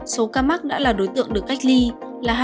số ca mắc đã là đối tượng được cách ly là hai hai trăm hai mươi hai ca